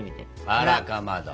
あらかまど！